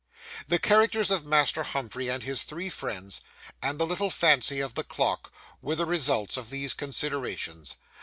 The characters of Master Humphrey and his three friends, and the little fancy of the clock, were the results of these considerations.